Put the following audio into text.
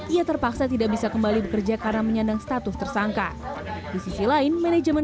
ia terpaksa tidak bisa kembali bekerja karena menyandang status tersangka di sisi lain manajemen